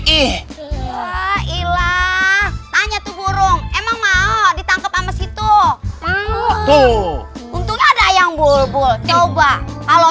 ih iya ilah tanya tuh burung emang mau ditangkap sama situ untung ada yang bulbul coba kalau